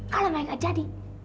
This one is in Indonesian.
kalau mama gak jadi